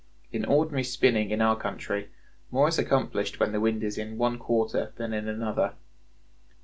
In ordinary spinning in our country more is accomplished when the wind is in one quarter than in another.